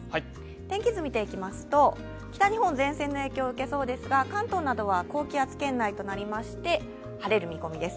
天気図を見ていきますと、北日本は前線の影響を受けそうですが、関東などは高気圧圏内となりまして晴れる見込みです。